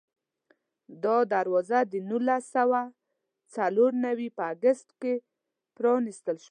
دا دروازه د نولس سوه څلور نوي په اګست کې پرانستل شوه.